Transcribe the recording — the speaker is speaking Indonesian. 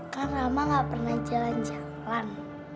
kan rama gak pernah jalan jalan